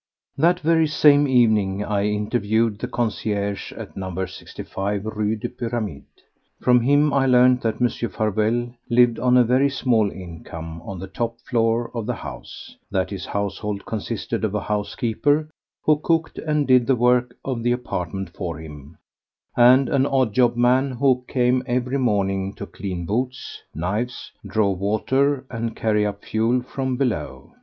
2. That very same evening I interviewed the concierge at No. 65 Rue des Pyramides. From him I learned that Mr. Farewell lived on a very small income on the top floor of the house, that his household consisted of a housekeeper who cooked and did the work of the apartment for him, and an odd job man who came every morning to clean boots, knives, draw water and carry up fuel from below.